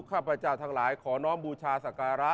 ข้าพเจ้าทั้งหลายขอน้องบูชาสการะ